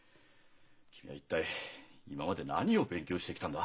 君は一体今まで何を勉強してきたんだ？